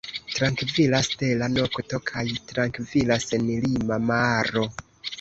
Trankvila stela nokto kaj trankvila senlima maro.